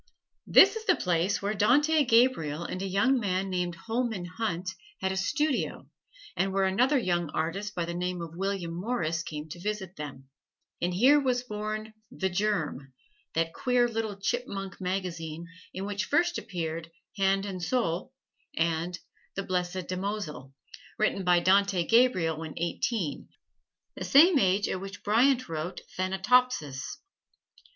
This is the place where Dante Gabriel and a young man named Holman Hunt had a studio, and where another young artist by the name of William Morris came to visit them; and here was born "The Germ," that queer little chipmunk magazine in which first appeared "Hand and Soul" and "The Blessed Damozel," written by Dante Gabriel when eighteen, the same age at which Bryant wrote "Thanatopsis."